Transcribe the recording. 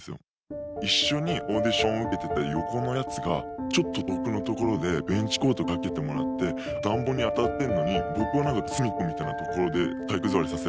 一緒にオーディションを受けてた横のやつがちょっと遠くの所でベンチコート掛けてもらって暖房に当たってんのに僕はなんか隅っこみたいな所で体育座りさせられててみたいな。